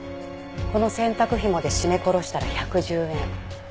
この洗濯ひもで絞め殺したら１１０円。